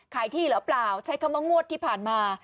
ที่หรือเปล่าใช้คำว่างวดที่ผ่านมา